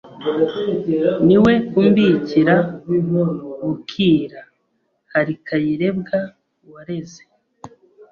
Ni we umbikira bukira Hari Kayirebwa wareze